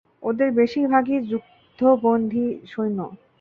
ওদের বেশিরভাগই যুদ্ধবন্দি সৈন্য!